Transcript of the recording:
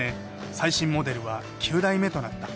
最新モデルは９代目となった。